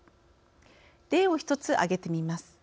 例を一つ挙げてみます。